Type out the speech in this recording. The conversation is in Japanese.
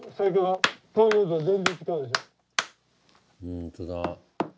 本当だ。